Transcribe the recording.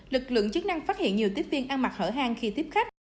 lực lượng chức năng phát hiện nhiều tiếp viên ăn mặc hở hang khi tiếp khách